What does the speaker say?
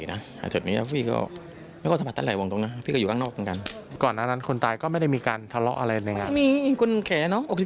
แล้วคนก่อเหตุลูกร่างเขาเป็นยังไง